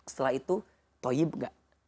setelah itu toib nggak